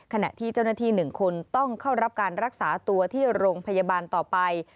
ขณะที่เจ้าหน้าที่๑คนต้องเข้ารับการรักษาตัวที่โรงพยาบาลต่อไป